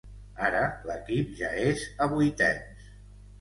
Ara, l’equip ja és a vuitens.